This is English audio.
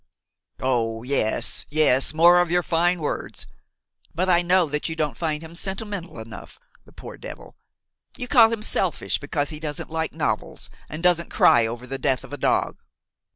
"Oh! yes, yes, more of your fine words; but I know that you don't find him sentimental enough, the poor devil! you call him selfish because he doesn't like novels and doesn't cry over the death of a dog.